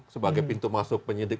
sebagai pintu masuk penyidik